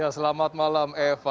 selamat malam eva